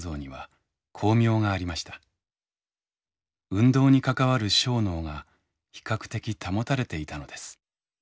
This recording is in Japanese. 運動に関わる小脳が比較的保たれていたのです。